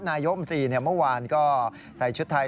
นายกรัฐมนตรีเนี่ยเมื่อวานก็ใส่ชุดไทย